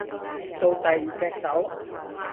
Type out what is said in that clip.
到第二隻手